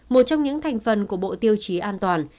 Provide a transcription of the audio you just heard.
một trong những thành phần của bộ tiêu chí an toàn